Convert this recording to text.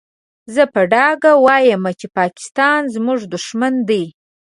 زه په ډاګه وايم چې پاکستان زموږ دوښمن دی.